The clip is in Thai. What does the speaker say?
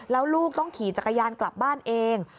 แล้วลูกต้องขี่จักรยานกลับบ้านเอง